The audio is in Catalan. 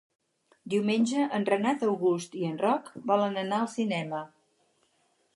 Diumenge en Renat August i en Roc volen anar al cinema.